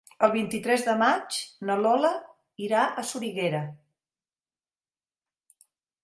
El vint-i-tres de maig na Lola irà a Soriguera.